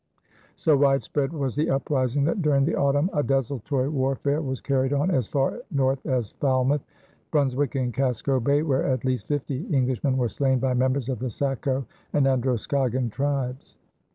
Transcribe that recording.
So widespread was the uprising that during the autumn, a desultory warfare was carried on as far north as Falmouth, Brunswick, and Casco Bay, where at least fifty Englishmen were slain by members of the Saco and Androscoggin tribes.